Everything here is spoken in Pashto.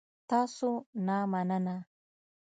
تاسو نه مننه